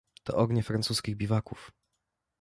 "To ognie francuskich biwaków."